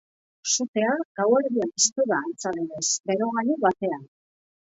Sutea gauerdian piztu da, antza denez, berogailu batean.